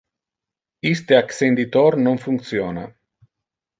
Iste accenditor non functiona.